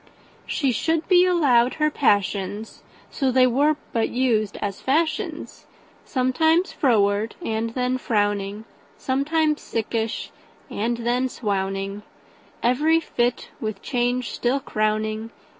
She should be allowed her passions, So they were but used as fashions; Sometimes froward, and then frowning, Sometimes sickish, and then swowning, Every fit with change still crowning.